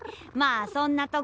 あそんなとこ。